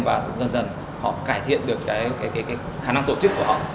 và dần dần họ cải thiện được cái khả năng tổ chức của họ